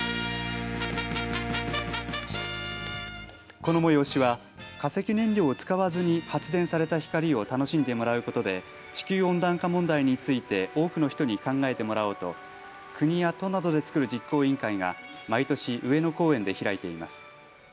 この催しは化石燃料を使わずに発電された光を楽しんでもらうことで地球温暖化問題について多くの人に考えてもらおうと国や都などで作る実行委員会が毎年、上野公園で開いています。